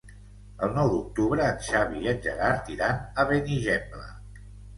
El nou d'octubre en Xavi i en Gerard iran a Benigembla.